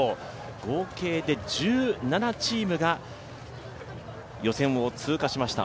合計で１７チームが予選を通過しました。